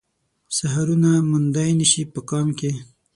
سحرونه يې موندای نه شي په قام کې